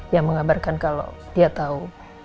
yang mengabarkan kalau dia tahu